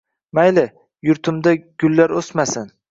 Mayli, yurtimda gullar o‘smasin.